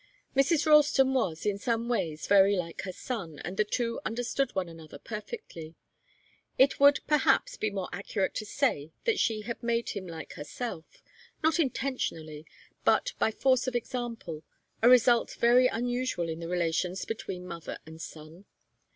Mrs. Ralston was, in some ways, very like her son, and the two understood one another perfectly. It would, perhaps, be more accurate to say that she had made him like herself, not intentionally, but by force of example, a result very unusual in the relations between mother and son.